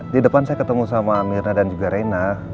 di depan saya ketemu sama nirna dan juga rena